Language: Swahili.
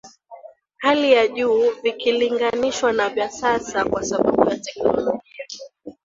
Hali ya juu vikilinganishwa na vya sasa kwa sababu ya teknolojia